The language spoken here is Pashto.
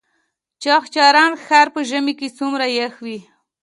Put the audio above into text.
چغچران ښار په ژمي کې څومره یخ وي؟